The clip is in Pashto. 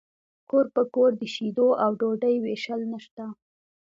کور په کور د شیدو او ډوډۍ ویشل نشته